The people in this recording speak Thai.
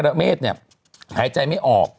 ดื่มน้ำก่อนสักนิดใช่ไหมคะคุณพี่